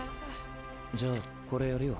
じゃあこれやるよ。